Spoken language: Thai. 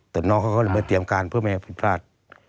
แต่น้องเขาก็เลยมาเตรียมการเพื่อไม่ให้ผิดพลาด